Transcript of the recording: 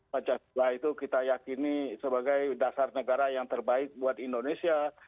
pancasila itu kita yakini sebagai dasar negara yang terbaik buat indonesia